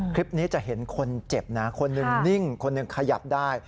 คลิปนี้จะเห็นคนเจ็บนะคนหนึ่งนิ่งคนหนึ่งขยับได้